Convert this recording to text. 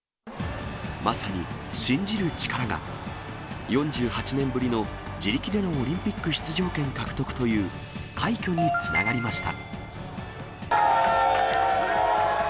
まさに、信じる力が、４８年ぶりの自力でのオリンピック出場権獲得という、快挙につながりました。